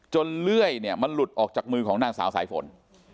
เลื่อยเนี่ยมันหลุดออกจากมือของนางสาวสายฝน